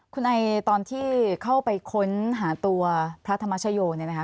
คุณไอตอนที่เข้าไปค้นหาตัวพระธรรมชโยเนี่ยนะคะ